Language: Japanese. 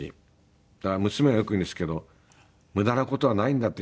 だから娘がよく言うんですけど無駄な事はないんだって